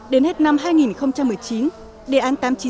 đến hết năm hai nghìn một mươi chín đề án tám trăm chín mươi